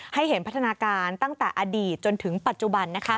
ให้เห็นพัฒนาการตั้งแต่อดีตจนถึงปัจจุบัน